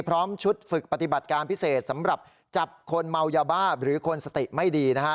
พร้อมชุดฝึกปฏิบัติการพิเศษสำหรับจับคนเมายาบ้าหรือคนสติไม่ดีนะฮะ